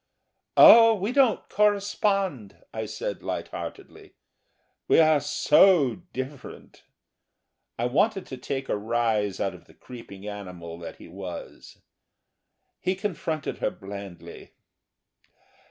"Oh, we don't correspond," I said light heartedly, "we are so different." I wanted to take a rise out of the creeping animal that he was. He confronted her blandly.